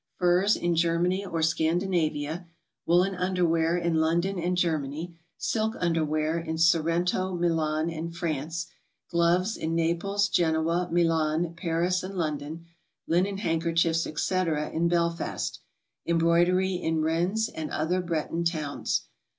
Furs, in Germany or Scandinavia. Woolen underwear, in London and Germany. Silk underwear, in Sorrento, Milan and France. Gloves, in Naples, Genoa, Milan, Paris and London. Linen handkerchiefs, etc., in Belfast. Embroidery, in Rennes and other Breton towns.